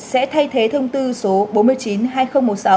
sẽ thay thế thông tư số